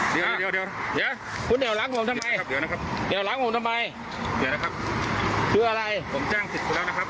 สิทธิ์อะไรครับสิทธิ์อะไรครับ